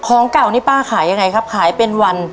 ของเก่านี่ป้าขายยังไงครับขายเป็นวัน